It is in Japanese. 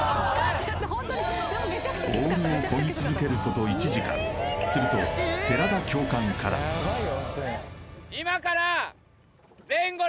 オールをこぎ続けること１時間すると寺田教官からはい！